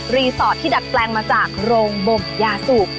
รีสอร์ทที่ดักแปลงมาจากโรงบมยาสูบ